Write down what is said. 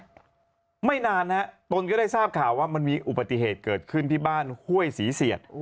ประมาณนั้นตนก็ด้ทราบข่าวมันมีอุปถิ่ฐเกิดขึ้นที่บ้านคร้วยศรีเสียศ